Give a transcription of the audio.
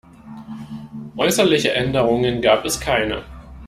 Äußerliche Änderungen gab es keine.